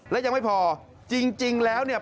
และยังไม่พอจริงแล้วเนี่ย